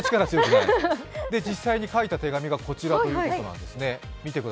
実際に書いた手紙がこちらということなんですね。